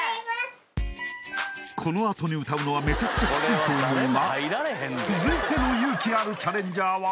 このあとに歌うのはメチャクチャキツいと思うが続いての勇気あるチャレンジャーは？